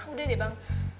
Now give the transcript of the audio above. udah deh bang